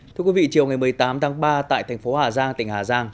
thưa quý vị chiều ngày một mươi tám tháng ba tại thành phố hà giang tỉnh hà giang